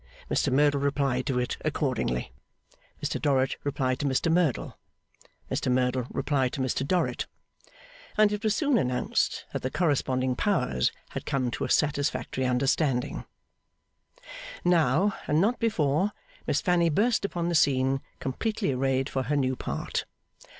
Mr Merdle replied to it accordingly. Mr Dorrit replied to Mr Merdle; Mr Merdle replied to Mr Dorrit; and it was soon announced that the corresponding powers had come to a satisfactory understanding. Now, and not before, Miss Fanny burst upon the scene, completely arrayed for her new part.